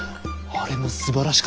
あれもすばらしかったです！